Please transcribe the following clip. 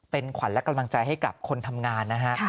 เป็นขวัญและกำลังใจให้กับคนทำงานนะฮะ